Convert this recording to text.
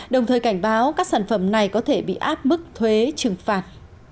đồng thời cảnh báo các sản phẩm này có thể bị áp mức thuế trừng phạt